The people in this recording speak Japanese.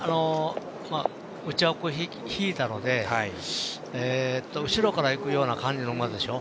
内枠、引いたので後ろからいくような馬でしょう？